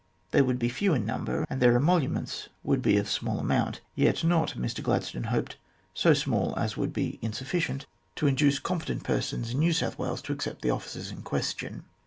They would be few in number, and their emoluments would be of small amount, yet not, Mr Gladstone hoped, so small as would be insufficient to THE CONSTITUTION OF THE NEW COLONY 27 induce competent persons in New South Wales to accept the offices in question.